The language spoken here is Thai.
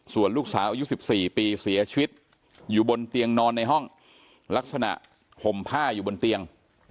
ส่วนลูกสาวอายุ๑๔ปีเสียชีวิตอยู่บนเตียงนอนในห้องลักษณะห่มผ้าอยู่บนเตียง